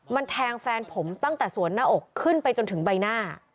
มันแทงแฟนผมตั้งแต่สวนหน้าอกขึ้นไปจนถึงใบหน้า